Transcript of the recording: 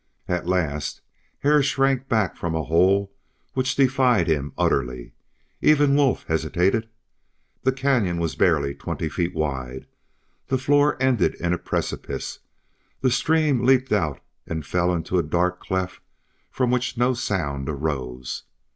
At last Hare shrank back from a hole which defied him utterly. Even Wolf hesitated. The canyon was barely twenty feet wide; the floor ended in a precipice; the stream leaped out and fell into a dark cleft from which no sound arose.